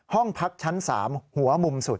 ห้องพักชั้น๓หัวมุมสุด